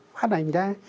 phát ảnh ra